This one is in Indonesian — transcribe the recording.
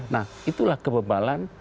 nah itulah kebebalan